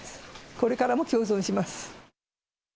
これからも共存します。